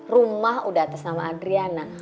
rumah udah atas nama adriana